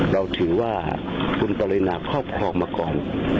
เราถือว่าคุณปริณาพ่อมาก่อน